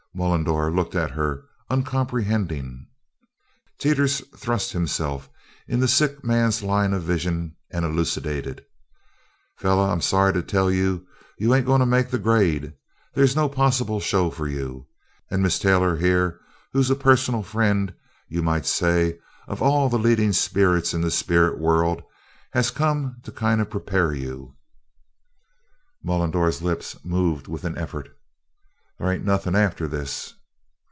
Mullendore looked at her, uncomprehending. Teeters thrust himself in the sick man's line of vision and elucidated: "Feller, I'm sorry to tell you you ain't goin' to 'make the grade' they's no possible show fur you an' Mis' Taylor here, who's a personal friend, you might say, of all the leadin' sperrits in the Sperrit World, has come to kind of prepare you " Mullendore's lips moved with an effort: "There ain't nothin' after this."